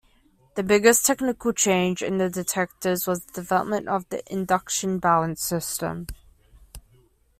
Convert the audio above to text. The biggest technical change in detectors was the development of the induction-balance system.